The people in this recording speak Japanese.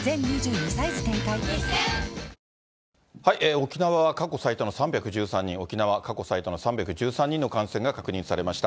沖縄は過去最多の３１３人、沖縄過去最多の３１３人の感染が確認されました。